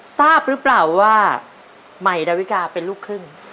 ทราบหรือเปล่าว่าใหม่ดาวิกาเป็นลูกครึ่ง